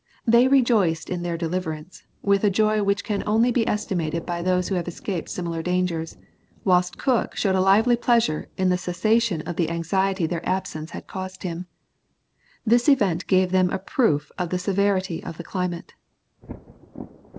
They rejoiced in their deliverance, with a joy which can only be estimated by those who have escaped similar dangers, whilst Cook showed a lively pleasure in the cessation of the anxiety their absence had caused him. This event gave them a proof of the severity of the climate."